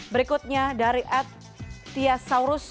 berikutnya dari ad tiasaurus